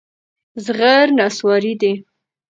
زغر نصواري دي.